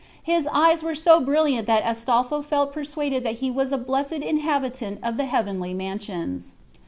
His eyes were so brilliant that Astolpho felt persuaded that he was a blessed inhabitant of the heavenly mansions.